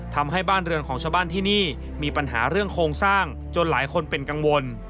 ทำให้บ้านเรือนของชาวบ้านที่นี่มีปัญหาเรื่องโครงสร้างจนหลายคนเป็นกังวล